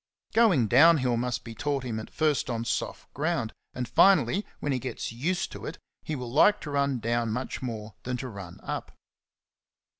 Going down hill must be taught him at first on soft ground, and finally, when he gets used to it, he will like to run down much CHAPTER VIII. 47 more than to run up.